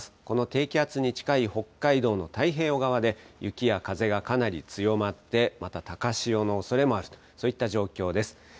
この低気圧に近い北海道の太平洋側で雪や風がかなり強まって、また高潮のおそれもある、そういった状況です。